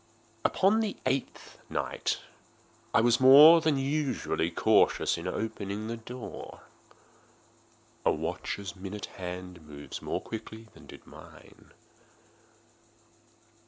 Upon the eighth night I was more than usually cautious in opening the door. A watch's minute hand moves more quickly than did mine.